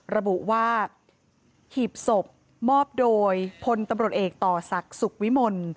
ระบุว่าหีบศพมอบโดยพลตำรวจเอกต่อศักดิ์สุขวิมล